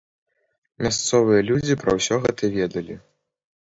Мясцовыя людзі пра ўсё гэта ведалі.